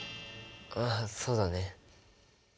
あっそうだね。